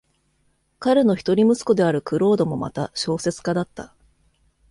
彼の一人息子であるクロードもまた小説家だった。